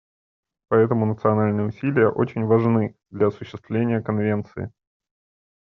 Поэтому национальные усилия очень важны для осуществления Конвенции.